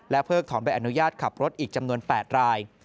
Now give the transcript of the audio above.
เพิกถอนใบอนุญาตขับรถอีกจำนวน๘ราย